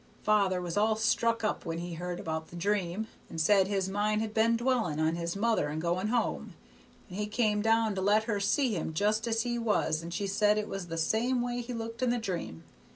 Father was all struck up when he heard about the dream, and said his mind had been dwellin' on his mother and going home, and he come down to let her see him just as he was and she said it was the same way he looked in the dream.